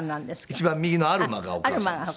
一番右のアルマがお母さんです。